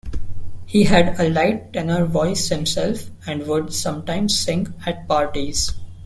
He had a light tenor voice himself and would sometimes sing at parties.